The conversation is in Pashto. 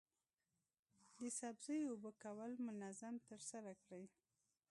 د سبزیو اوبه کول منظم ترسره کړئ.